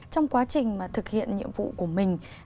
trong quá trình thực hiện nhiệm vụ của mình